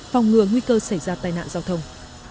phòng ngừa nguy cơ xảy ra tai nạn giao thông